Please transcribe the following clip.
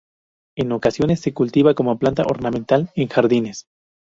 En ocasiones se cultiva como planta ornamental en jardines.